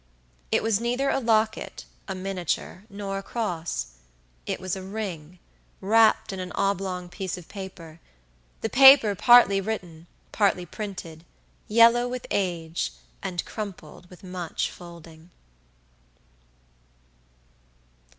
It was neither a locket, a miniature, nor a cross; it was a ring wrapped in an oblong piece of paperthe paper partly written, partly printed, yellow with age, and crumpled with much folding.